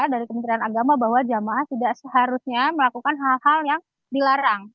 dan perangkat agama bahwa jamaah tidak seharusnya melakukan hal hal yang dilarang